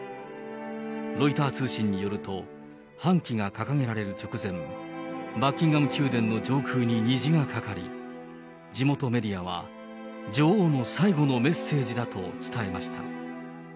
ロイター通信によると、半旗が掲げられる直前、バッキンガム宮殿の上空に虹がかかり、地元メディアは、女王の最後のメッセージだと伝えました。